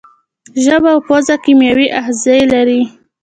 ژبه او پزه کیمیاوي آخذې لري.